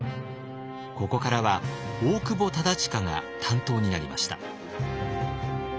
ここからは大久保忠隣が担当になりました。